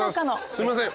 すいません。